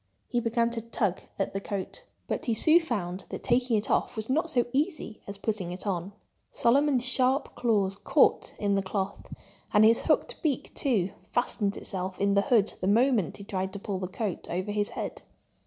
He began to tug at the coat. But he soon found that taking it off was not so easy as putting it on. Solomon's sharp claws caught in the cloth; and his hooked beak, too, fastened itself in the hood the moment he tried to pull the coat over his head.